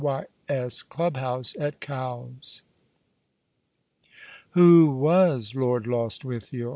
Y. S. Club bouse at Cowes. Who was Lord Lostwithiel?